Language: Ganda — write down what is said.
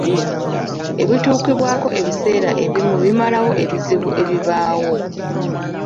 Ebituukibwako ebiseera ebimu bimalawo ebizibu ebibaawo.